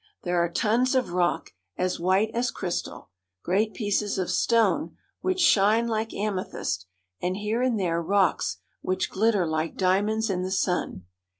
There are tons of rock as white as crystal, great pieces of stone which shine like am ethyst, and here and there rocks which glitter like dia monds in the sun.